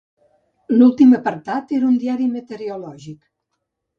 L'últim apartat era un diari meteorològic.